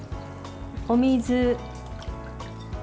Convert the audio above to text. お水。